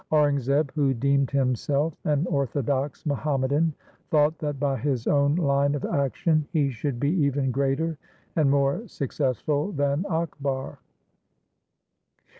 Aurangzeb who deemed himself an orthodox Muham madan thought that by his own line of action he should be even greater and more successful than Akbar.